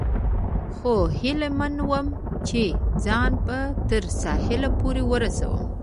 خو هیله من ووم، چې ځان به تر ساحل پورې ورسوم.